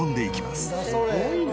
すごいな。